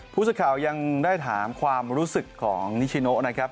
ผู้สื่อข่าวยังได้ถามความรู้สึกของนิชิโนนะครับ